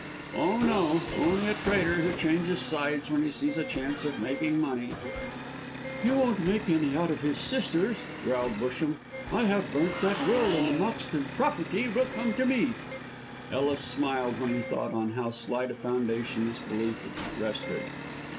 "Oh, no, only a traitor who changes sides when he sees a chance of making money." "He won't make any out of his sisters," growled Busham. "I have burnt that will, and the Moxton property will come to me." Ellis smiled when he thought on how slight a foundation this belief rested.